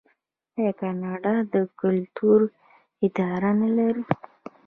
آیا کاناډا د کلتور اداره نلري؟